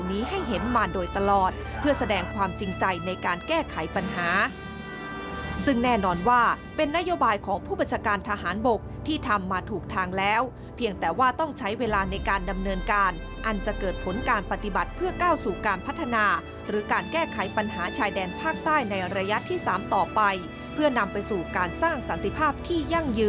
ให้เห็นมาโดยตลอดเพื่อแสดงความจริงใจในการแก้ไขปัญหาซึ่งแน่นอนว่าเป็นนโยบายของผู้บัญชาการทหารบกที่ทำมาถูกทางแล้วเพียงแต่ว่าต้องใช้เวลาในการดำเนินการอันจะเกิดผลการปฏิบัติเพื่อก้าวสู่การพัฒนาหรือการแก้ไขปัญหาชายแดนภาคใต้ในระยะที่๓ต่อไปเพื่อนำไปสู่การสร้างสันติภาพที่ยั่งยืน